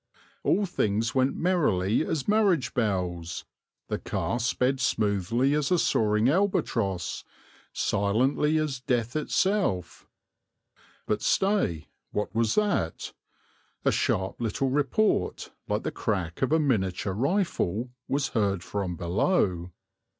All things went merrily as marriage bells, the car sped smoothly as a soaring albatross, silently as death itself. But stay, what was that? A sharp little report, like the crack of a miniature rifle, was heard from below.